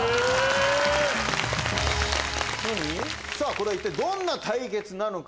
これは一体どんな対決なのか？